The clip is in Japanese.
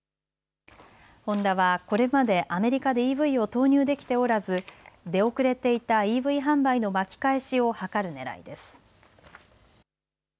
ホンダはこれまでアメリカでＥＶを投入できておらず、出遅れていたＥＶ販売の巻き返しを図るねらいです。